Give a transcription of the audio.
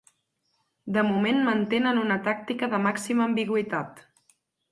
De moment, mantenen una tàctica de màxima ambigüitat.